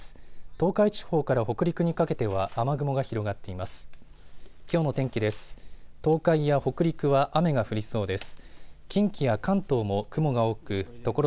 東海地方から北陸にかけては雨雲が広がっています。